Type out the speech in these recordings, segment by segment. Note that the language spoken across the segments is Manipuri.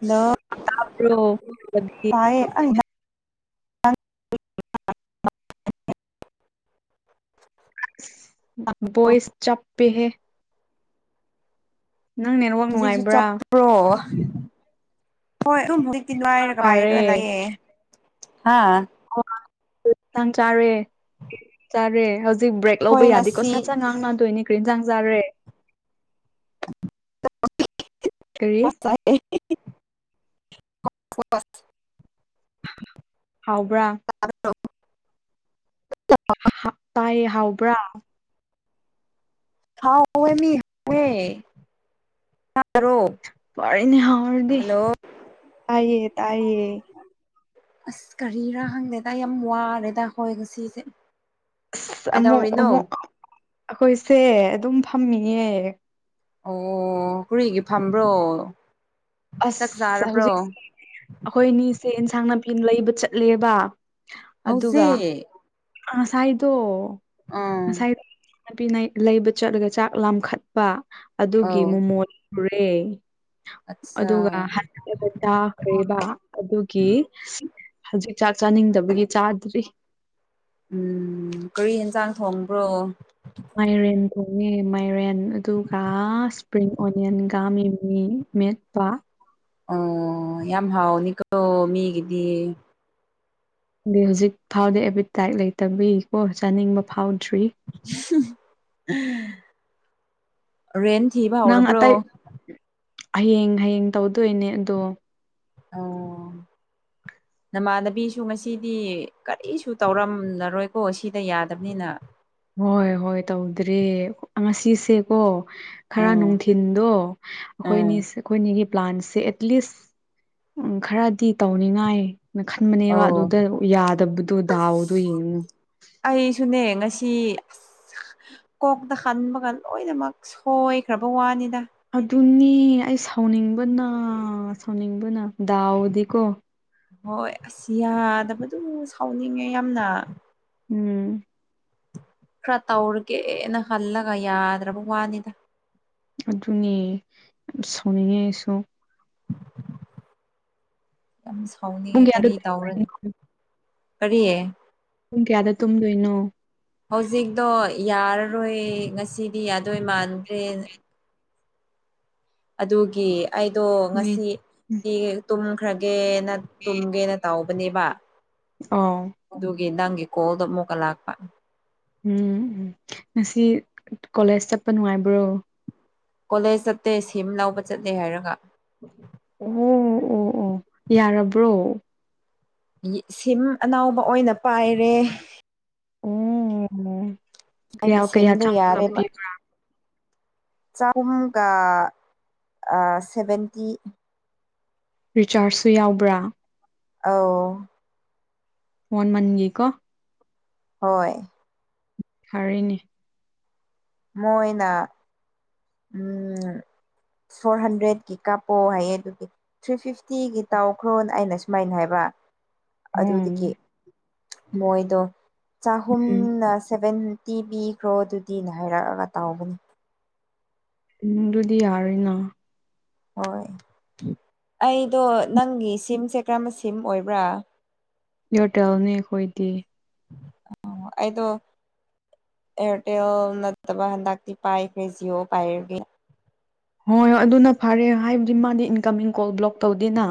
ꯂ ꯇꯥꯕ꯭ꯔꯣ ꯐꯕꯗꯤ ꯇꯥꯏ [unintelligible] ꯣꯏꯁ ꯆꯞꯄꯦ ꯍꯦ ꯅꯪ ꯅꯦꯠꯋꯥꯛ ꯍꯧꯖꯤꯛꯁꯨ ꯅꯨꯡꯉꯥꯏꯕ꯭ꯔꯥ ꯆꯠꯄ꯭ꯔꯣ ꯍꯣꯏ ꯑꯗꯨꯝ ꯈꯔ ꯋꯥꯔ ꯐꯔꯦ ꯀꯔꯦ ꯍꯥ ꯑꯣꯥꯡ ꯆꯥꯔꯦ ꯆꯥꯔꯦ ꯍꯧꯖꯤꯛ ꯕ꯭ꯔꯦꯛ ꯂꯧꯕ ꯍꯣꯏ ꯌꯥꯗꯦꯀꯣ ꯉꯁꯤ ꯁꯥꯠ ꯆ ꯉꯥꯡꯅꯗꯣꯏꯅꯤ ꯀꯔꯤ ꯏꯟꯖꯥꯡ ꯆꯥꯔꯦ ꯀꯔꯤ [unintelligible] ꯍꯥꯎꯕ꯭ꯔꯥ ꯇꯥꯏꯌꯦ ꯍꯥꯎꯕ꯭ꯔꯥ ꯊꯥꯎ ꯃꯤ ꯍꯋꯦ ꯌꯥꯔꯣ ꯄꯅꯦ ꯍꯍꯔꯗꯤ ꯇꯥꯏꯌꯦ ꯇꯥꯏꯌꯦꯌꯦ ꯑꯁ ꯀꯔꯤꯔꯥ ꯍꯪꯗꯦꯗ ꯌꯥꯝ ꯋꯥꯔꯦꯗ ꯍꯣꯏꯒꯁꯤꯁꯦ ꯑꯁ ꯑꯃꯨꯛ ꯑꯃꯨꯛ ꯑꯩꯈꯣꯏꯁꯦ ꯑꯗꯨꯝ ꯐꯝꯃꯤꯌꯦ ꯑꯣ ꯑꯣ ꯍꯔꯤꯏꯒꯤ ꯐꯝꯕ꯭ꯔꯣ ꯆꯥꯛ ꯑꯁ ꯆꯥꯔꯕ꯭ꯔꯣ ꯍꯧꯖꯤꯛ ꯑꯩꯈꯣꯏꯅꯤꯁꯦ ꯑꯦꯟꯁꯥꯡ ꯅꯥꯄꯤ ꯂꯩꯕ ꯆꯠꯂꯦꯕ ꯑꯗꯨꯒ ꯍꯧꯖꯤꯛ ꯑ ꯁꯥꯏꯗꯣ ꯑꯥ ꯁꯥꯏꯗ ꯏ ꯅꯥꯄꯤ ꯂꯩꯕ ꯆꯠꯂꯒ ꯆꯥꯛ ꯂꯥꯝꯈꯠꯄ ꯑꯗꯨꯒꯤ ꯑꯧ ꯃꯃꯣꯜ ꯎꯨꯔꯦ ꯑꯠꯆꯥ ꯑꯗꯨꯒ ꯍꯄꯠꯇ ꯀꯩꯕ ꯑꯗꯨꯒꯤ ꯍꯧꯖꯤꯛ ꯆꯥꯛ ꯆꯥꯅꯤꯡꯗꯕꯒꯤ ꯆꯥꯗ꯭ꯔꯤ ꯎꯝ ꯀꯔꯤ ꯌꯦꯟꯁꯥꯡ ꯊꯣꯡꯕ꯭ꯔꯣ ꯃꯥꯏꯔꯦꯟ ꯊꯣꯡꯉꯦ ꯃꯥꯏꯔꯦꯟ ꯑꯗꯨꯒ ꯏꯁꯄ꯭ꯔꯤꯡ ꯑꯣꯅꯤꯌꯟꯒ ꯏꯡꯉ ꯃꯦꯠꯄ ꯑꯣ ꯌꯥꯝ ꯍꯥꯎꯅꯤ ꯀꯣ ꯃꯤꯒꯤꯗꯤ ꯑ ꯍꯧꯖꯤꯛ ꯐꯥꯎꯗꯤ ꯑꯦꯄꯤꯇꯥꯏꯠ ꯂꯩꯇꯕꯤꯀꯣ ꯆꯥꯅꯤꯡꯕ ꯐꯥꯎꯗ꯭ꯔꯤ ꯑ ꯔꯦꯟ ꯊꯤꯕ ꯅꯪ ꯍꯧꯔꯕ꯭ꯔꯣ ꯑꯇꯩ ꯍꯌꯦꯡ ꯍꯌꯦꯡ ꯇꯧꯗꯣꯏꯅꯦ ꯑꯗꯣ ꯑꯣ [unintelligible] ꯅꯃꯥꯟꯅꯕꯤꯁꯨ ꯉꯁꯤꯗꯤ ꯀꯔꯤꯁꯨ ꯇꯧꯔꯝꯂꯔꯣꯏꯀꯣ ꯁꯤꯗ ꯌꯥꯗꯕꯅꯤꯅ ꯍꯣꯏ ꯍꯣꯏ ꯇꯧꯗ꯭ꯔꯦ ꯉꯁꯤꯁꯦ ꯀ ꯈꯔ ꯎꯝ ꯅꯨꯡꯊꯤꯤꯟꯗꯣ ꯑꯩꯈꯣꯏ ꯎꯝ ꯑꯩꯈꯣꯏꯅꯤꯒꯤ ꯄ꯭ꯂꯥꯟꯁꯦ ꯑꯦꯠꯂꯤꯁ ꯈꯔꯗꯤ ꯇꯧꯅꯤꯡꯉꯥꯏ ꯅ ꯈꯟꯕꯅꯦꯕ ꯑꯣ ꯑꯗꯨꯗ ꯌꯥꯗꯕꯗꯨꯣ ꯗꯥꯎꯗꯣ ꯌꯦꯡꯉꯨ ꯑꯩꯁꯨꯅꯦ ꯉꯁꯤ ꯀꯣꯛꯇ ꯍꯟꯕꯒ ꯂꯣꯏꯅꯃꯛ ꯁꯣꯏꯈ꯭ꯔꯕ ꯋꯥꯅꯤꯗ ꯑꯗꯨꯅꯦ ꯑꯩ ꯁꯥꯎꯅꯤꯡꯕꯅ ꯁꯥꯎꯅꯤꯡꯕꯅ ꯗꯥꯎꯗꯤꯀꯣ ꯍꯣꯏ ꯑꯁꯤ ꯌꯥꯗꯕꯗꯨ ꯁꯥꯎꯅꯤꯡꯉꯦ ꯌꯥꯝꯅ ꯎꯝ ꯈꯔ ꯇꯧꯔꯒꯦꯅ ꯈꯜꯂꯒ ꯌꯥꯗ꯭ꯔꯕ ꯋꯥꯅꯤꯗ ꯑꯗꯨꯅꯦ ꯌꯥꯝ ꯁꯥꯎꯅꯤꯡꯉꯦ ꯑꯩꯁꯨ ꯌꯥꯝ ꯄꯨꯡ ꯁꯥꯎꯅꯤꯡꯉꯦ ꯀꯌꯥꯗ ꯀꯔꯤ ꯇꯧꯔꯅꯣ ꯀꯔꯤ ꯄꯨꯡ ꯀꯌꯥꯗ ꯇꯨꯝꯗꯣꯏꯅꯣ ꯍꯧꯖꯤꯛꯇꯣ ꯌꯥꯔꯔꯣꯏ ꯉꯁꯤꯗꯤ ꯌꯥꯗꯣꯏ ꯃꯥꯟꯗ꯭ꯔꯦ ꯑꯗꯨꯒꯤ ꯑꯩꯗꯣ ꯅꯣꯏ ꯉꯁꯤ ꯇꯨꯝꯈ꯭ꯔꯒꯦ ꯇꯨꯝꯒꯦ ꯇꯥꯎꯕꯅꯦꯕ ꯑ ꯑꯗꯨꯒꯤ ꯅꯪꯒꯤ ꯀꯣꯜꯗꯣ ꯑꯃꯨꯛꯀ ꯂꯥꯛꯄ ꯎꯝ ꯎꯝ ꯉꯁꯤ ꯀꯣꯂꯦꯖ ꯆꯠꯄ ꯅꯨꯡꯉꯥꯏꯕ꯭ꯔꯣ ꯀꯣꯂꯦꯖ ꯆꯠꯇꯦ ꯁꯤꯝ ꯂꯧꯕ ꯆꯠꯂꯦ ꯍꯥꯏꯔꯒ ꯑꯣ ꯑꯣ ꯑꯣ ꯌꯥꯔꯕ꯭ꯔꯣ ꯁꯤꯝ ꯑꯅꯥꯎꯕ ꯑꯣꯏꯅ ꯄꯥꯏꯔꯦ ꯑꯣ ꯀꯌꯥ ꯑꯩꯒꯤ ꯀꯌꯥ ꯁꯤꯝꯗꯣ ꯌꯥꯔꯦꯕ ꯆꯒꯄꯤꯕ ꯆꯍꯨꯝꯒ ꯁꯚꯦꯟꯇꯤ ꯔꯤꯆꯥꯔꯖꯁꯨ ꯌꯥꯎꯕ꯭ꯔꯥ ꯑꯧ ꯋꯥꯟ ꯃꯟꯒꯤꯦꯀꯣ ꯍꯣꯏ ꯍꯥꯏꯔꯤꯅꯤ ꯃꯣꯏꯣꯏꯅ [unintelligible] ꯐꯣꯔ ꯍꯟꯗ꯭ꯔꯦꯗꯀꯤ ꯀꯥꯞꯄꯣꯑꯣ ꯍꯥꯏꯌꯦ ꯑꯗꯨꯗꯤ ꯊ꯭ꯔꯤ ꯐꯤꯐꯇꯤꯒꯤ ꯇꯥꯎꯈ꯭ꯔꯣ ꯑꯩꯅ ꯁꯨꯃꯥꯏꯅ ꯍꯥꯏꯕ ꯑꯗꯨꯗꯒꯤ ꯎꯝ ꯃꯣꯏꯗꯣ ꯎꯝ ꯆꯍꯨꯝꯅ ꯁꯚꯦꯟ ꯇꯤ ꯄꯤꯈ꯭ꯔꯣ ꯑꯗꯨꯗꯤꯅꯦ ꯍꯥꯏꯔꯛꯑꯒ ꯇꯥꯎꯕꯅꯤ ꯗꯨꯗꯤ ꯌꯥꯔꯣꯏꯅ ꯍꯣꯏ ꯑꯩꯗꯣ ꯅꯪꯒꯤ ꯁꯤꯝꯁꯦ ꯀꯔꯝꯕ ꯁꯤꯝ ꯑꯣꯏꯕ꯭ꯔꯥ ꯏꯌꯥꯔꯇꯦꯜꯅꯤ ꯑꯩꯈꯣꯏꯗꯤ ꯑꯣ ꯑꯩꯗꯣ ꯑꯦꯌꯥꯔꯇꯦꯜ ꯅꯠꯇꯕ ꯍꯟꯗꯛꯇꯤ ꯄꯥꯏꯈ꯭ꯔꯦ ꯖꯤꯌꯑꯣ ꯄꯥꯏꯔꯒꯤ ꯍꯣꯏ ꯍꯣꯏ ꯑꯗꯨꯅ ꯐꯔꯦ ꯍꯥꯏꯕꯗꯤ ꯃꯥꯗꯤ ꯏꯟꯀꯝꯃꯤꯡ ꯀꯣꯜ ꯕ꯭ꯂꯣꯛ ꯇꯧꯗꯦꯅ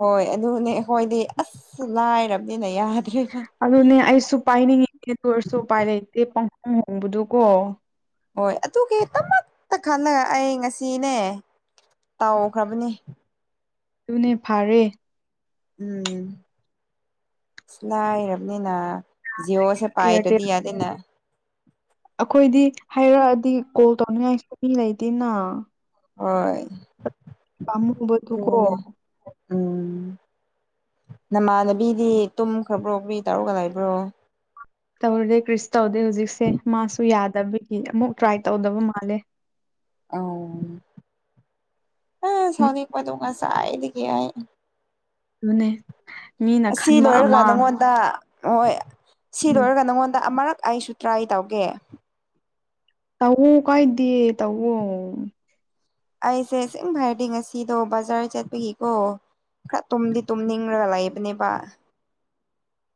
ꯍꯣꯏ ꯑꯗꯨꯅꯦ ꯑꯩꯈꯣꯏꯗꯤ ꯑꯁ ꯂꯥꯏꯔꯕꯅꯤꯅꯦ ꯌꯥ ꯑꯗꯨꯅꯦ ꯑꯩꯁꯨ ꯄꯥꯏꯅꯤꯡꯉꯤꯗꯦ ꯇ ꯑꯣꯏꯁꯨ ꯎꯄꯥꯏ ꯂꯩꯇꯦ ꯄꯥꯡꯍꯣꯡ ꯍꯣꯡꯕꯗꯨ ꯀꯣ ꯍꯣꯏ ꯑꯗꯨꯒꯤꯗꯃꯛꯇ ꯈꯜꯂꯒ ꯑꯩ ꯉꯁꯤꯅꯦ ꯇꯥꯎꯈ꯭ꯔꯕꯅꯤ ꯑꯗꯨꯅꯦ ꯐꯥꯔꯦ ꯎꯝ ꯁꯤꯂ ꯏꯔꯞꯅꯤꯅꯥ ꯖꯤꯑꯣ ꯁꯦ ꯏꯌꯥꯔꯇꯦꯜ ꯄꯥꯏꯔꯗꯤꯌꯥ ꯑꯗꯨꯅ ꯑꯩꯈꯣꯏꯗꯤ ꯍꯥꯏꯔꯛꯑꯗꯤ ꯀꯣꯜ ꯇꯧꯅꯤꯉꯥꯏꯁꯨꯃꯤ ꯂꯩꯇꯦꯅ ꯍꯣꯏ ꯄꯥꯝꯃꯨꯕꯗꯨꯀꯣ ꯎꯝ ꯅꯃꯥꯟꯅꯕꯤꯗꯤ ꯇꯨꯝꯈ꯭ꯔꯕ꯭ꯔꯣ ꯄ ꯇꯥꯔꯨꯛꯒ ꯂꯥꯏꯕ꯭ꯔꯣ ꯇꯧꯔꯗꯦ ꯀ꯭ꯔꯤꯁ ꯇꯧꯗꯦ ꯍꯧꯖꯤꯛꯁꯦ ꯃꯥꯁꯨ ꯌꯥꯗꯕꯒꯤ ꯑꯃꯨꯛ ꯇ꯭ꯔꯥꯏ ꯇꯧꯗꯕ ꯃꯥꯜꯂꯦ ꯑꯣ ꯎꯝ ꯁꯥꯎꯅꯤꯄ ꯇꯉ ꯆꯥꯏꯗꯤ ꯀꯥꯏ ꯑꯗꯨꯅꯦ ꯃꯤꯅ ꯈꯟꯕ ꯑꯃ ꯗ ꯍꯣꯏ ꯁꯤ ꯎꯝ ꯂꯣꯏꯔꯒ ꯅꯪꯉꯣꯟꯗ ꯑꯃꯨꯔꯛ ꯑꯩꯁꯨ ꯇ꯭ꯔꯥꯏ ꯇꯧꯒꯦ ꯇꯎ ꯀꯥꯏꯗꯌꯦꯦ ꯇꯎ ꯑꯩꯁꯦ ꯏꯁꯤꯡ ꯍꯥꯏꯔꯗꯤ ꯉꯁꯤꯗꯣ ꯕꯖꯥꯔ ꯆꯠꯄꯒꯤꯀꯣ ꯈꯔ ꯇꯨꯝꯗꯤ ꯇꯨꯝꯅꯤꯡꯉꯒ ꯂꯩꯕꯅꯦꯕ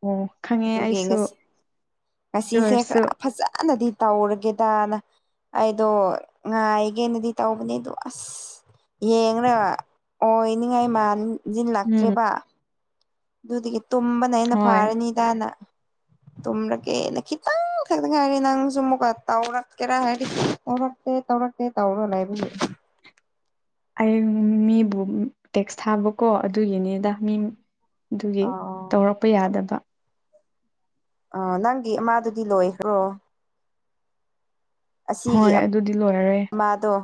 ꯑꯣ ꯈꯪꯉꯦ ꯑꯗꯨꯒꯤ ꯑꯩꯁꯨ ꯉꯁꯤ ꯑꯗꯨ ꯉꯁꯤꯁꯦ ꯑꯣꯏꯔꯁꯨ ꯈꯔ ꯐꯖꯅꯗꯤ ꯇꯧꯔꯒꯦꯗꯅ ꯑꯩꯗꯣ ꯉꯥꯏꯒꯦꯅꯗꯤ ꯇꯧꯕꯅꯦ ꯑꯗꯣ ꯑꯁ ꯌꯦꯡꯅ ꯑꯣꯏꯅꯤꯡꯉꯥꯏ ꯎꯝ ꯃꯥꯟꯁꯤꯜꯂꯛꯇ꯭ꯔꯦꯕ ꯑꯗꯨꯗꯤ ꯇꯨꯝꯕꯅ ꯑꯩꯅ ꯍꯣꯏ ꯐꯥꯔꯅꯤꯗꯥꯅ ꯇꯔ ꯀꯦꯅ ꯈꯈꯤ ꯇ ꯊ ꯍꯥꯏꯔꯤ ꯅꯪꯁꯨ ꯃꯨ ꯀ ꯇꯥꯎꯔꯛ ꯀꯦꯔ ꯍꯥꯏꯔꯤ ꯇꯧꯔꯛꯇꯦ ꯇꯧꯔꯛꯇꯦ ꯇꯧꯔꯣ ꯂꯩꯕ ꯑꯩꯡ ꯃꯤꯕꯨ ꯇꯦꯛꯁ ꯊꯥꯕꯀꯣ ꯑꯗꯨꯒꯤꯅꯤꯗ ꯃꯤ ꯑꯗꯨꯒꯤ ꯑꯥ ꯇꯧꯔꯛꯄ ꯌꯥꯗꯕ ꯑ ꯅꯪꯒꯤ ꯏꯃꯥꯗꯨꯗꯤ ꯂꯣꯏꯈ꯭ꯔꯣ ꯑꯁꯤꯒꯤ ꯍꯣꯏ ꯑꯗꯨꯗꯤ ꯂꯣꯏꯔꯦ ꯃꯥꯗꯣ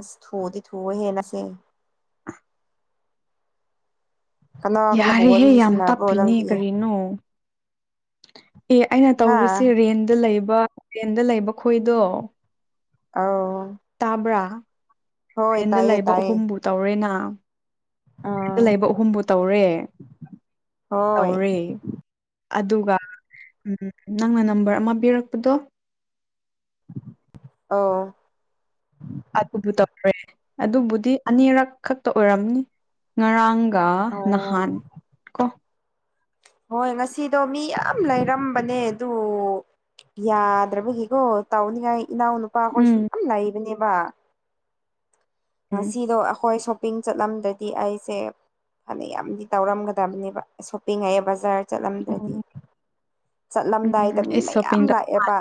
ꯑꯁ ꯊꯨꯗꯤ ꯊꯨꯕ ꯍꯦꯟꯅꯁꯦ ꯀꯅꯥ ꯀꯅꯥꯕꯨ ꯋꯥꯔꯤ ꯌꯥꯔꯦꯍꯦ ꯌꯥꯝ ꯁꯥꯟꯅꯕ꯭ꯔꯣ ꯇꯞꯄꯤꯅꯦ ꯅꯪꯗꯤ ꯀꯔꯤꯅꯣ ꯑꯦ ꯑꯩꯅ ꯍꯥ ꯇꯧꯔꯤꯁꯦ ꯔꯦꯟꯗ ꯂꯩꯕ ꯔꯦꯟꯗ ꯂꯩꯕ ꯈꯣꯏꯗꯣ ꯑꯥꯎ ꯇꯥꯕ꯭ꯔꯥ ꯇ꯭ꯔꯦꯟꯗ ꯂꯩꯕ ꯇꯥꯏꯌꯦ ꯑꯍꯨꯝꯕꯨ ꯇꯧꯔꯦꯅ ꯑꯗ ꯑꯥ ꯂꯩꯕ ꯑꯍꯨꯝꯕꯨ ꯇꯧꯔꯦ ꯍꯣꯏ ꯇꯧꯔꯦ ꯑꯗꯨꯒ ꯅꯪꯅ ꯅꯝꯕꯔ ꯑꯃ ꯄꯤꯔꯛꯄꯗꯣ ꯑ ꯑꯗꯨꯕꯨ ꯇꯧꯔꯦ ꯑꯗꯨꯕꯨꯗꯤ ꯑꯅꯤꯔꯛ ꯈꯛꯇ ꯑꯣꯏꯔꯝꯅꯤ ꯉꯔꯥꯡꯒ ꯑꯣ ꯅꯍꯥꯟ ꯀꯣ ꯍꯣꯏ ꯉꯁꯤꯗꯣ ꯃꯤ ꯌꯥꯝ ꯂꯩꯔꯝꯕꯅꯦ ꯑꯗꯨ ꯌꯥꯗ꯭ꯔꯕꯒꯤꯀꯣ ꯇꯥꯎꯅꯤꯡꯉꯥꯏ ꯏꯅꯥꯎ ꯅꯨꯨꯄꯥ ꯑꯩꯈꯣꯏꯁꯨ ꯎꯝ ꯌꯥꯝ ꯂꯩꯕꯅꯦꯕ ꯎꯝ ꯑꯁꯤꯗꯣ ꯑꯩꯈꯣꯏ ꯁ ꯁꯣꯄꯤꯡ ꯆꯠꯂꯝꯗꯗꯤ ꯑꯩꯁꯦ ꯐꯅ ꯌꯥꯝꯗꯤ ꯇꯧꯔꯝꯒꯗꯕꯅꯦꯕ ꯁꯣꯞꯄꯤꯡ ꯍꯥꯏꯌꯦ ꯕꯖꯥꯔꯦ ꯆꯠꯂꯝꯗ꯭ꯔꯗꯤ ꯎꯝ ꯎꯝ ꯆꯠꯂꯝꯗꯥꯏꯗ ꯎꯝ ꯃꯤ ꯏꯁ ꯃꯌꯥꯝ ꯁꯣꯞꯄꯤꯡ ꯇꯧ ꯂꯥꯛꯑꯦꯕ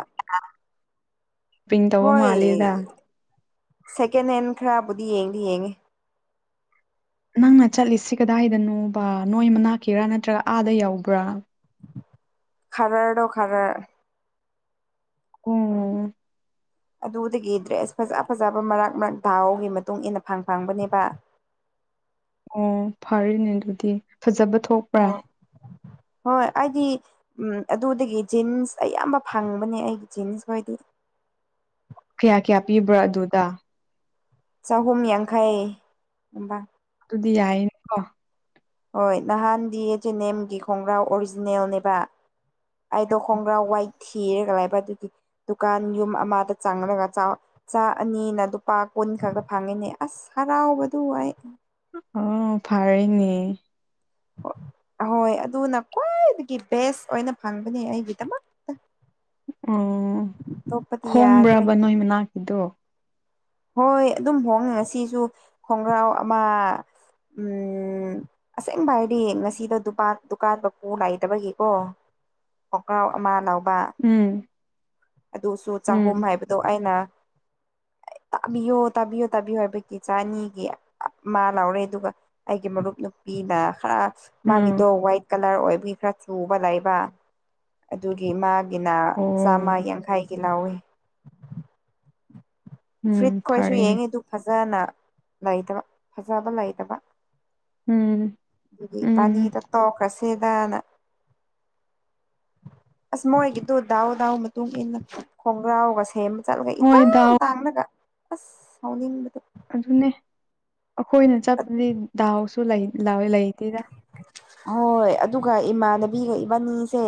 ꯄꯤꯡ ꯇꯧꯕ ꯍꯣꯏ ꯃꯥꯂꯦꯗ ꯁꯦꯀꯦꯟ ꯍꯦꯟ ꯈꯔꯕꯨꯗꯤ ꯌꯦꯡꯗꯤ ꯌꯦꯡꯉꯦ ꯅꯪꯅ ꯆꯠꯂꯤꯁꯤ ꯀꯗꯥꯏꯗꯅꯣ ꯕ ꯅꯣꯏ ꯃꯅꯥꯛꯀꯤꯔꯥ ꯅꯠꯇ꯭ꯔꯒ ꯑꯥꯗ ꯌꯥꯎꯕ꯭ꯔꯥ ꯈꯔꯔꯗꯣ ꯈꯔ ꯎꯝ ꯑꯗꯨꯗꯒꯤ ꯗ꯭ꯔꯦꯁ ꯐꯖ ꯐꯖꯕ ꯃꯔꯛ ꯃꯔꯛ ꯗꯥꯥꯎꯒꯤ ꯃꯇꯨꯡ ꯏꯟꯅ ꯐꯪ ꯐꯪꯕꯅꯦꯕ ꯑꯣ ꯐꯔꯅꯦ ꯑꯗꯨꯗꯤ ꯐꯖꯕ ꯊꯣꯛꯄ꯭ꯔꯥ ꯍꯣꯏ ꯍꯣꯏ ꯑꯩꯗꯤ ꯎꯝ ꯑꯗꯨꯗꯒꯤ ꯖꯤꯟꯁ ꯑꯌꯥꯝꯕ ꯐꯪꯕꯅꯦ ꯑꯩꯒꯤ ꯖꯤꯟꯁ ꯈꯣꯏꯗꯤ ꯀꯌꯥ ꯀꯌꯥ ꯄꯤꯕ꯭ꯔꯣ ꯑꯗꯨꯗ ꯆꯥꯍꯣꯨꯝꯅꯤꯌꯥꯡꯈꯩ ꯍꯝꯕ ꯑꯗꯨꯗꯤ ꯌꯥꯏꯅ ꯍꯣꯏ ꯅꯍꯥꯟꯗꯤ ꯑꯦꯆ ꯑꯦꯟ ꯑꯦꯝꯒꯤ ꯈꯣꯡꯒ꯭ꯔꯥꯎ ꯑꯣꯔꯤꯖꯤꯅꯦꯜꯅꯦꯕ ꯑꯩꯗꯣ ꯈꯣꯡꯒ꯭ꯔꯥ ꯋꯥꯏ ꯊꯤꯔꯒ ꯂꯕ ꯑꯗꯨꯒꯤ ꯗꯨꯀꯥꯟ ꯌꯨꯝ ꯑꯃꯗ ꯆꯪꯂꯒ ꯆꯥꯛ ꯑꯅꯤꯅ ꯂꯨꯄꯥ ꯀꯨꯟ ꯈꯛꯇ ꯐꯪꯉꯤꯅꯦ ꯑꯁ ꯍꯔꯥꯎꯕꯗꯨ ꯑꯩ ꯑꯣ ꯐꯥꯔꯩꯅꯤ ꯑꯍꯣꯏ ꯑꯗꯨꯅ ꯈ꯭ꯋꯥꯏꯗꯒꯤ ꯕꯦꯁ ꯑꯣꯏꯅ ꯐꯪꯕꯅꯦ ꯑꯩꯒꯤꯗꯃꯛꯛꯇ ꯑꯣ ꯑꯇꯣꯞꯄꯗꯤ ꯌꯥꯗ꯭ꯔꯦ ꯍꯣꯡꯕ꯭ꯔꯕ ꯅꯣꯏ ꯃꯅꯥꯛꯀꯤꯗꯣ ꯍꯣꯏ ꯑꯗꯨꯝ ꯍꯣꯡꯉꯦ ꯉꯁꯤꯁꯨ ꯈꯣꯡꯒ꯭ꯔꯥꯎ ꯑꯃ ꯎ ꯑꯁꯦꯡ ꯚꯥꯏꯗꯤ ꯉꯁꯤꯗꯣ ꯗꯨꯥꯟ ꯗꯨꯀꯥꯟ ꯃꯀꯨ ꯂꯩꯇꯕꯒꯤꯀꯣ ꯀꯀ꯭ꯔꯥꯎ ꯑꯃ ꯂꯥꯎꯕ ꯎꯝ ꯑꯗꯨꯁꯨ ꯆꯍꯨꯝ ꯎꯝ ꯍꯥꯏꯕꯗꯣ ꯑꯩꯅ ꯇꯥꯕꯤꯌꯣ ꯇꯥꯕꯤꯌꯣ ꯇꯥꯕꯤꯌꯣ ꯍꯥꯏꯕꯒꯤ ꯆꯅꯤꯒꯤ ꯃꯥ ꯂꯥꯎꯔꯦ ꯑꯗꯨꯒ ꯑꯩꯒꯤ ꯃꯔꯨꯞ ꯅꯨꯄꯤꯅ ꯈꯔ ꯎꯝ ꯃꯥꯒꯤꯗꯣ ꯋꯥꯏꯠ ꯀꯂꯔ ꯑꯣꯏꯕꯒꯤ ꯈꯔ ꯆꯨꯕ ꯂꯩꯕ ꯑꯗꯨꯒꯤ ꯃꯥꯒꯤꯅ ꯆꯥꯝꯃ ꯑꯣ ꯌꯥꯡꯈꯩꯒꯤ ꯂꯧꯥꯎꯏ ꯐꯨꯔꯤꯠ ꯎꯝ ꯈꯣꯏꯁꯨ ꯐꯔꯦꯅꯦ ꯌꯦꯡꯉꯤꯗꯨ ꯐꯖꯅ ꯂꯩꯇꯕ ꯐꯖꯕ ꯂꯩꯇꯕ ꯎꯝ ꯑꯗꯨꯗꯤ ꯎꯝ ꯕꯥꯅꯤꯗ ꯇꯣꯛꯀꯁꯦꯗꯅ ꯑꯁ ꯃꯣꯏꯒꯤꯗꯣ ꯗꯥꯎ ꯗꯥꯎ ꯃꯇꯨꯡ ꯏꯟꯅ ꯈꯣꯡꯒ꯭ꯔꯥꯎꯒ ꯁꯦꯝꯕ ꯆꯠꯂꯒ ꯍꯣꯏ ꯏꯇꯥꯡ ꯗꯥꯎ ꯇꯥꯡꯂꯒ ꯑꯁ ꯍꯥꯎꯅꯤꯡꯕꯗ ꯑꯗꯨꯅꯦ ꯑꯩꯈꯣꯏꯅ ꯆꯠꯄꯗꯤ ꯗꯥꯎꯁꯨ [unintelligible] ꯂꯩꯇꯦꯗ ꯍꯣꯏ ꯑꯗꯨꯒ ꯏꯃꯥꯟꯅꯕꯤꯒ ꯏꯕꯥꯅꯤꯁꯦ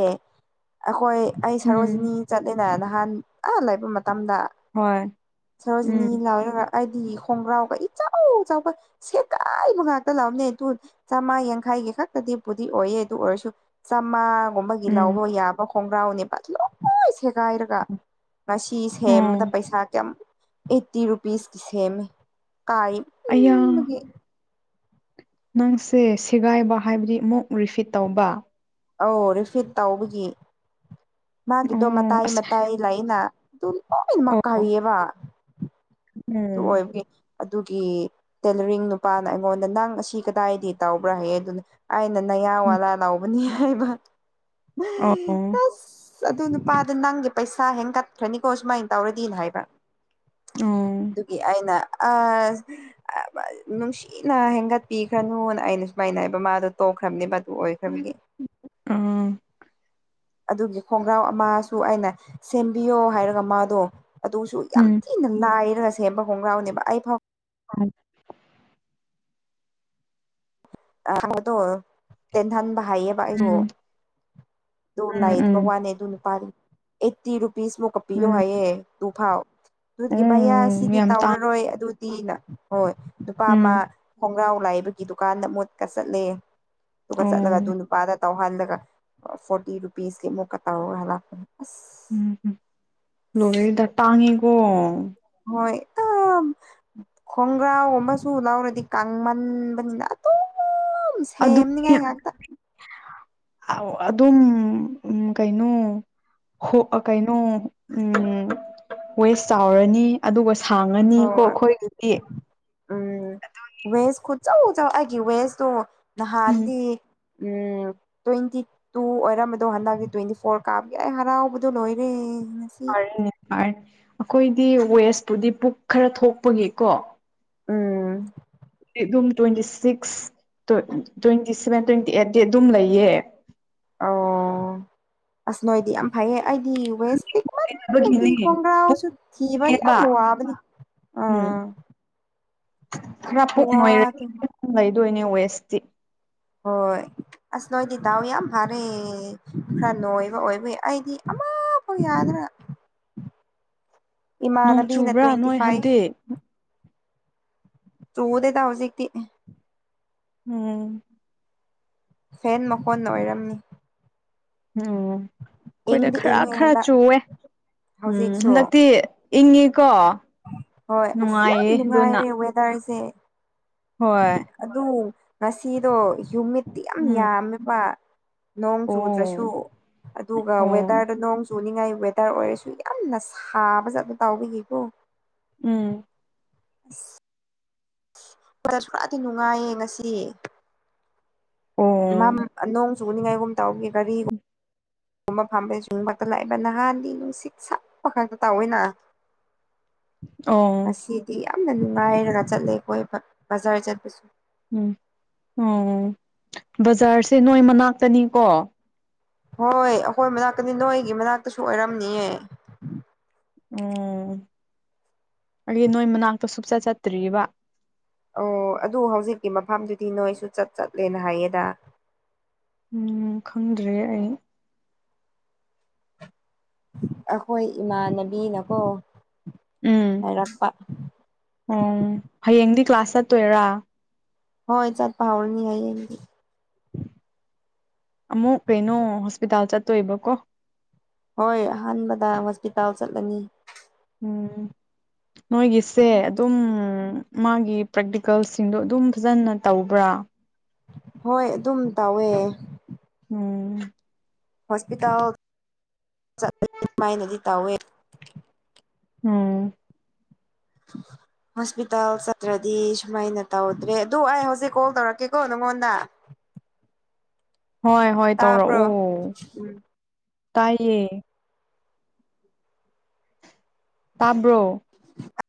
ꯑꯩꯈꯣꯏ ꯑꯩ ꯎꯝ ꯁꯔꯣꯖꯤꯅꯤ ꯆꯠꯂꯤꯅ ꯅꯍꯥꯟ ꯑꯥ ꯂꯩꯕ ꯃꯇꯝꯗ ꯍꯣꯏ ꯁꯔꯣꯖꯤꯅꯤ ꯎꯝ [unintelligible] ꯍꯥꯏꯗꯤ ꯈꯣꯡꯒ꯭ꯔꯥꯎꯒ ꯏꯆꯥꯎ ꯆꯥꯎꯕ ꯁꯦꯒꯥꯏꯕ ꯉꯥꯛꯇ ꯂꯥꯛꯕꯅꯦ ꯑꯗꯨ ꯆꯥꯝꯃꯉꯥ ꯌꯥꯡ ꯒꯤ ꯈꯛꯇꯗꯤꯕꯨꯗꯤ ꯑꯣꯏꯌꯦ ꯑꯗꯨ ꯑꯣꯏꯔꯁꯨ ꯆꯥꯝꯃꯉꯥꯒꯨꯝꯕꯒꯤ ꯎꯝ ꯂꯧꯕ ꯌꯥꯕ ꯈꯣꯡꯒ꯭ꯔꯥꯎꯅꯦꯕ ꯂꯣꯏ ꯁꯦꯒꯥꯏꯔꯒ ꯉꯁꯤ ꯁꯦꯝꯕꯗ ꯑꯣ ꯄꯩꯁꯥ ꯀꯌꯥꯝ ꯑꯩꯠꯇꯤ ꯔꯨꯄꯤꯁ ꯁꯦꯝꯃꯦ ꯀꯥꯏ ꯑꯩꯌꯥ ꯃꯟꯕꯒꯤ ꯅꯪꯁꯦ ꯁꯦꯒꯥꯏꯕ ꯍꯥꯏꯕꯗꯤ ꯑꯃꯨꯛ ꯔꯤꯐꯤꯠ ꯇꯧꯕ ꯑꯧ ꯔꯤꯐꯤꯠ ꯇꯧꯕꯒꯤ ꯃꯥꯒꯤꯗꯣ ꯑꯣ ꯃꯇꯥꯏ ꯑꯁ ꯃꯇꯥꯏ ꯂꯩꯅ ꯑꯗꯨ ꯂꯣꯏꯅꯃꯛ ꯑꯣ ꯀꯌꯦꯕ ꯑꯗꯨ ꯎꯝ ꯑꯣꯏꯕꯒꯤ ꯑꯗꯨꯒꯤ ꯇꯦꯂꯔꯤꯡ ꯅꯨꯄꯥꯅ ꯑꯩꯉꯣꯟꯗ ꯅꯪ ꯑꯁꯤ ꯀꯗꯥꯏꯗꯤ ꯇꯥꯎꯕ꯭ꯔꯥ ꯍꯥꯏꯌꯦ ꯑꯗꯨꯅ ꯑꯩꯅ ꯅꯌꯥ ꯎꯝ ꯋꯥꯂꯥ ꯂꯥꯎꯕꯅꯤ ꯍꯥꯏꯕ ꯑꯣ ꯑꯣ ꯑꯁ ꯑꯁ ꯑꯗꯨ ꯅꯨꯄꯥꯗꯣ ꯅꯪꯒꯤ ꯄꯩꯁꯥ ꯍꯦꯟ ꯀꯠꯈ꯭ꯔꯅꯤꯀꯣ ꯁꯨꯃꯥꯏꯅ ꯇꯧꯔꯗꯤꯅ ꯍꯥꯏꯕ ꯑꯣ ꯑꯗꯨꯒꯤ ꯑꯩꯅ ꯑꯁ [unintelligible] ꯅꯨꯡꯁꯤꯅ ꯍꯦꯟꯒꯠꯄꯤꯈ꯭ꯔꯅꯨꯅ ꯑꯩꯅ ꯁꯨꯃꯥꯏꯅ ꯍꯥꯏꯕ ꯃꯥꯗꯣ ꯇꯣꯛꯈ꯭ꯔꯕꯅꯦ ꯑꯣꯏꯈ꯭ꯔꯕꯒꯤ ꯑꯥ ꯑꯗꯨꯒꯤ ꯈꯣꯡꯒ꯭ꯔꯥꯎ ꯑꯃꯁꯨ ꯑꯩꯅ ꯁꯦꯝꯕꯤꯌꯣ ꯍꯥꯏꯔꯒ ꯃꯥꯗꯣ ꯑꯗꯨꯁꯨ ꯌꯥꯝ ꯎꯝ ꯊꯤꯅ ꯅ ꯂꯥꯏꯔꯒ ꯁꯦꯝꯕ ꯈꯣꯡꯒ꯭ꯔꯥꯎꯅꯦꯕ ꯑꯩ ꯐꯥꯎ [unintelligible] [unintelligible] ꯇꯦꯟꯍꯕ ꯍꯥꯏꯌꯦꯕ ꯑꯩꯗꯣ ꯎꯝ ꯑꯗꯨ ꯎꯝ ꯂꯩꯇꯕ ꯎꯝ ꯋꯥꯅꯦ ꯑꯗꯨ ꯅꯨꯄꯥꯗꯣ ꯑꯩꯠꯇꯤ ꯔꯨꯄꯤꯁ ꯃꯨꯛꯀ ꯄꯤꯌꯣ ꯎꯝ ꯍꯥꯏꯌꯦ ꯇꯨ ꯐꯥꯎ ꯑꯗꯨꯒꯤ ꯑꯣ ꯚꯩꯌꯥꯁꯤꯗꯤ ꯌꯥꯝ ꯇꯥꯡ ꯇꯧꯔꯔꯣꯏ ꯑꯗꯨꯗꯤꯅ ꯍꯣꯏ ꯅꯨꯨꯄꯥ ꯑꯃ ꯎꯝ ꯈꯣꯡꯒ꯭ꯔꯥꯎ ꯂꯩꯕꯒꯤ ꯗꯨꯀꯥꯟꯗ ꯃꯨꯠꯀ ꯆꯠꯂꯦ ꯑꯗꯨꯒ ꯆꯠꯂꯒ ꯑꯗꯨ ꯑꯣ ꯅꯨꯄꯥꯗ ꯇꯧꯍꯜꯂꯒ ꯐꯣꯔꯇꯤ ꯔꯨꯄꯤꯁꯀꯤ ꯑꯃꯨꯛꯀ ꯇꯧꯔ ꯍꯜꯂꯛꯄ ꯑꯁ ꯂꯣꯏꯔꯦꯗ ꯇꯥꯡꯉꯤꯀꯣ ꯍꯣꯏ [unintelligible] ꯈꯣꯡꯒ꯭ꯔꯥꯎꯒꯨꯝꯕꯁꯨ ꯂꯧꯎꯔꯗꯤ ꯇꯥꯡꯃꯟꯕꯅꯤꯅ ꯑꯗꯨꯝ ꯑꯗꯨꯗꯤ ꯁꯦꯝꯅꯤꯉꯥꯏ ꯉꯥꯛꯇ ꯑꯧ ꯑꯗꯨꯝ ꯀꯩꯅꯣ ꯍꯣ ꯀꯩꯅꯣ ꯎꯝ ꯋꯦꯁ ꯆꯥꯎꯔꯅꯤ ꯑꯗꯨꯒ ꯁꯥꯡꯉꯅꯤꯀꯣ ꯍꯣꯏ ꯑꯩꯈꯣꯏꯒꯤꯗꯤ ꯎꯝ ꯋꯦꯁ ꯈꯨꯠꯆꯧ ꯑꯩꯒꯤ ꯋꯦꯁꯇꯣ ꯎꯝ ꯅꯍꯥꯟꯗꯤ ꯎꯝ ꯇ꯭ꯋꯦꯟꯇꯤ ꯇꯨ ꯑꯣꯏꯔꯝꯕꯗꯣ ꯍꯟꯗꯛꯇꯀꯤ ꯇ꯭ꯋꯦꯟꯇꯤ ꯐꯣꯔ ꯀꯥꯕꯒꯤ ꯑꯩ ꯍꯔꯥꯎꯕꯗꯣ ꯂꯣꯏꯔꯦ ꯐꯔꯅꯤ ꯐꯔꯅꯤ ꯑꯩꯈꯣꯏꯗꯤ ꯋꯦꯁꯄꯨꯗꯤ ꯄꯨꯛ ꯈꯔ ꯊꯣꯛꯄꯒꯤꯀꯣ ꯎꯝ ꯑꯗꯨꯝ twenty six twenty seven twenty eight ꯇꯤ ꯑꯗꯨꯝ ꯂꯩꯌꯦ ꯑꯣ ꯑꯁ ꯅꯣꯏꯗꯤ ꯌꯥꯝ ꯐꯩꯌꯦ ꯑꯩꯗꯤ ꯋꯦꯁ ꯄꯤꯛꯃꯟ [unintelligible] ꯒꯤ ꯕꯒꯤꯅꯦ ꯈꯣꯡꯒ꯭ꯔꯥꯎꯁꯨ ꯊꯤꯕ ꯌꯥꯝ ꯄꯨꯛꯅꯦꯕ ꯋꯥꯕꯅꯤ ꯎꯝ ꯑꯥ ꯋꯥꯗꯦ ꯗꯨꯝ ꯂꯩꯗꯣꯏꯅꯤ ꯋꯦꯁꯇꯤ ꯍꯣꯏ ꯑꯁ ꯅꯣꯏꯗꯤ ꯗꯥꯎ ꯌꯥꯝ ꯐꯔꯦ ꯈꯔ ꯅꯣꯏꯕ ꯑꯣꯏꯕꯒꯤ ꯑꯩꯗꯤ ꯑꯃꯐꯥꯎ ꯌꯥꯗ꯭ꯔꯦ ꯅꯣꯡ ꯏꯃꯥꯟꯅꯕꯤꯅ ꯆꯨꯕ꯭ꯔꯥ ꯇ꯭ꯋꯦꯟꯇꯤ ꯅꯣꯏ ꯐꯥꯏꯚ ꯍꯟꯗꯤ ꯆꯨꯗꯦꯗ ꯍꯧꯖꯤꯛꯇꯤ ꯎꯝ ꯐꯦꯟ ꯃꯈꯣꯟꯅ ꯑꯣꯏꯔꯝꯃꯤ ꯎꯝ ꯑꯩꯈꯣꯏꯗ ꯏꯪꯗꯤ ꯈꯔ ꯏꯪꯉꯦ ꯈꯔ ꯍꯟꯗꯛ ꯆꯨꯏꯋꯦ ꯎꯝ ꯍꯧꯖꯤꯛꯁꯨ ꯍꯟꯗꯛꯇꯤ ꯏꯪꯉꯤꯀꯣ ꯍꯣꯏ ꯑꯁ ꯌꯥꯝ ꯅꯨꯡꯉꯥꯏꯌꯦ ꯑꯗꯨꯅ ꯅꯨꯡꯉꯥꯏꯔꯦ ꯋꯦꯗꯔꯁꯦ ꯍꯣꯏ ꯑꯗꯨ ꯉꯁꯤꯗꯣ ꯍꯌꯨꯃꯤꯠꯇꯤ ꯌꯥꯝ ꯎꯝ ꯌꯥꯝꯃꯦꯕ ꯅꯣꯡ ꯑꯣ ꯆꯨꯗ꯭ꯔꯁꯨ ꯑꯗꯨꯒ ꯑꯣ ꯋꯦꯗꯔꯗ ꯅꯣꯡ ꯆꯨꯅꯤꯡꯉꯥꯏ ꯋꯦꯗꯔ ꯑꯣꯏꯔꯁꯨ ꯌꯥꯝꯅ ꯁꯥꯕꯖꯥꯠ ꯇꯧꯕꯒꯤꯀꯣ ꯎꯝ [unintelligible] [unintelligible] ꯈꯔꯗꯤ ꯅꯨꯡꯉꯥꯏꯌꯦ ꯉꯁꯤ ꯑꯣ ꯑ ꯅꯣꯡ ꯆꯨꯅꯤꯡꯉꯥꯏꯒꯨꯝ ꯇꯧꯕꯒꯤ ꯒꯥꯔꯤꯒꯨꯝ [unintelligible] ꯅꯍꯥꯟꯗꯤ ꯅꯨꯡꯁꯤꯠ ꯁꯛꯄ ꯈꯛꯇ ꯇꯧꯋꯤꯅ ꯑꯣ ꯉꯁꯤꯗꯤ ꯌꯥꯝꯅ ꯅꯨꯡꯉꯥꯏꯔꯒ ꯆꯠꯂꯦ ꯀ‌ꯣꯏꯕ ꯕꯖꯥꯔ ꯆꯠꯄꯁꯨ ꯎꯝ ꯑꯣ ꯕꯖꯥꯔꯁꯦ ꯅꯣꯏ ꯃꯅꯥꯛꯇꯅꯤꯀꯣ ꯍꯣꯏ ꯑꯩꯈꯣꯏ ꯃꯅꯥꯛꯇꯅꯤ ꯅꯣꯏꯒꯤ ꯃꯅꯥꯛꯇꯁꯨ ꯑꯣꯏꯔꯝꯅꯤꯌꯦ ꯑꯣ ꯑꯩꯗꯤ ꯅꯣꯏ ꯃꯅꯥꯛꯇ ꯁꯨꯡꯆꯠ ꯆꯠꯇ꯭ꯔꯤꯑꯦꯕ ꯑꯣ ꯑꯗꯨ ꯍꯧꯖꯤꯛꯀꯤ ꯃꯐꯝꯗꯨꯗꯤ ꯅꯣꯏꯁꯨ ꯆꯠ ꯆꯠꯂꯦꯅ ꯍꯥꯏꯌꯦꯗ ꯎꯝ ꯈꯪꯗ꯭ꯔꯦ ꯑꯩ ꯑꯩꯈꯣꯏ ꯏꯃꯥꯟꯅꯕꯤꯅꯀꯣ ꯎꯝ ꯍꯥꯏꯔꯛꯄ ꯑꯣ ꯍꯌꯦꯡꯗꯤ ꯀ꯭ꯂꯥꯁ ꯆꯠꯇꯣꯏꯔꯥ ꯍꯣꯏ ꯆꯠꯄ ꯍꯧꯔꯅꯤ ꯍꯌ‌ꯦꯡꯗꯤ ꯑꯃꯨꯛ ꯀꯩꯅꯣ ꯍꯣꯁꯄꯤꯇꯥꯜ ꯆꯠꯇꯣꯏꯕꯀꯣ ꯍꯣꯏ ꯑꯍꯥꯟꯕꯗ ꯍꯣꯁꯄꯤꯇꯥꯜ ꯆꯠꯂꯅꯤ ꯎꯝ ꯅꯣꯏꯒꯤꯁꯦ ꯑꯗꯨꯝ ꯃꯥꯒꯤ ꯄ꯭ꯔꯦꯛꯇꯤꯀꯦꯜꯁꯤꯡꯗꯣ ꯑꯗꯨꯝ ꯐꯖꯅ ꯇꯧꯕ꯭ꯔꯥ ꯍꯣꯏ ꯑꯗꯨꯝ ꯇꯧꯋꯦ ꯎꯝ ꯍꯣꯁꯄꯤꯇꯥꯜ ꯆꯠ ꯑꯗꯨꯃꯥꯏꯅꯗꯤ ꯇꯧꯋꯦ ꯎꯝ [inaudible] ꯍꯣꯁꯄꯤꯇꯥꯜ ꯆꯠꯇ꯭ꯔꯗꯤ ꯁꯨꯃꯥꯏꯅ ꯇꯧꯗ꯭ꯔꯦ ꯑꯗꯨ ꯑꯩ ꯍꯧꯖꯤꯛ ꯀꯣꯜ ꯇꯧꯔꯛꯀꯦꯀꯣ ꯅꯪꯉꯣꯟꯗ ꯍꯣꯏ ꯍꯣꯏ ꯇꯥꯕ꯭ꯔꯣ ꯇꯧꯔꯛꯑꯣ ꯎꯝ ꯇꯥꯏꯌꯦ ꯇꯥꯕ꯭ꯔꯣ [inaudible]